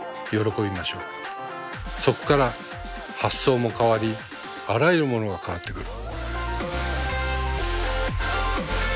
そこから発想も変わりあらゆるものが変わってくる。